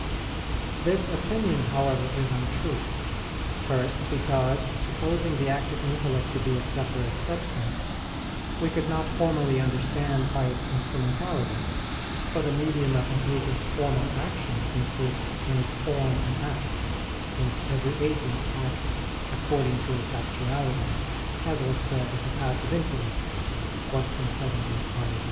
This opinion, however, is untrue. First, because, supposing the active intellect to be a separate substance, we could not formally understand by its instrumentality, for the medium of an agent's formal action consists in its form and act, since every agent acts according to its actuality, as was said of the passive intellect (Q. 70, A. 1).